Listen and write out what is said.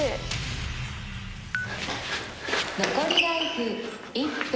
残りライフ１分。